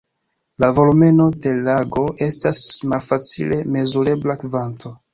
La volumeno de lago estas malfacile mezurebla kvanto.